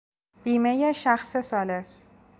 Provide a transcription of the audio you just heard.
بیمهی شخص ثالث